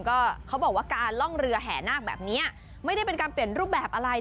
ก็เขาบอกว่าการล่องเรือแห่นาคแบบนี้ไม่ได้เป็นการเปลี่ยนรูปแบบอะไร